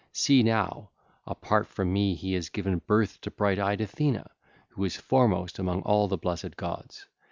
See now, apart from me he has given birth to bright eyed Athena who is foremost among all the blessed gods.